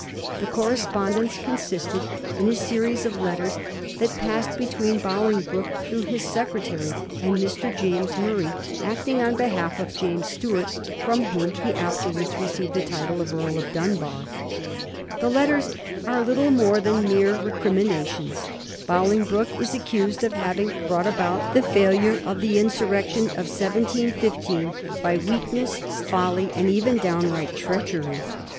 The correspondence consisted in a series of letters that passed between Bolingbroke, through his secretary, and Mr. James Murray, acting on behalf of James Stuart, from whom he afterwards received the title of Earl of Dunbar. The letters are little more than mere recriminations. Bolingbroke is accused of having brought about the fail ure of the insurrection of 1715 by weakness, folly, and 1734. BOLINGBROKE A HURTFUL ALLY. 19 even downright treachery.